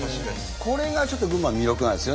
これがちょっと群馬の魅力なんですよね。